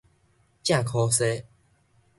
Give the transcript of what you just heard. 正箍踅